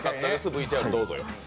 ＶＴＲどうぞよ。